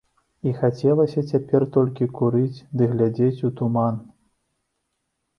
І хацелася цяпер толькі курыць ды глядзець у туман.